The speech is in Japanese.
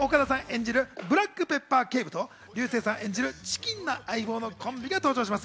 新ＣＭでは岡田さん演じるブラックペッパー警部と竜星さん演じるチキンな相棒のコンビが登場します。